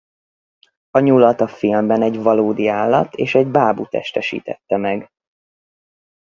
A nyulat a filmben egy valódi állat és egy bábu testesítette meg.